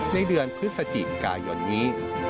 ในเดือนพฤศจิกายนนี้